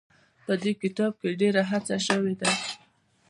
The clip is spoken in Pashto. په دې کتاب کې ډېره هڅه شوې ده.